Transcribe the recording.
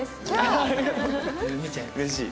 うれしい。